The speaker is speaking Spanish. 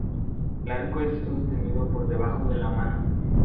El arco es sostenido por debajo de la mano.